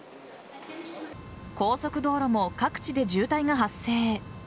高速道路も各地で渋滞が発生。